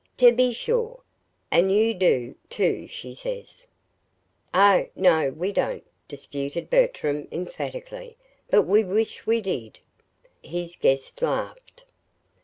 "To be sure! And you do, too, she says." "Oh, no, we don't," disputed Bertram, emphatically. "But we WISH we did!" His guest laughed.